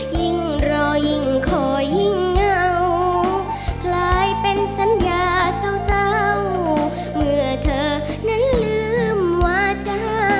ยิ่งรอยิ่งขอยิ่งเหงากลายเป็นสัญญาเศร้าเมื่อเธอนั้นลืมว่าจ้า